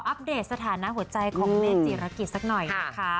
ปัดสถานะหัวใจของเมฆจีรกิจสักหน่อยนะคะ